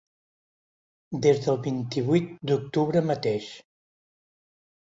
Des del vint-i-vuit d’octubre mateix.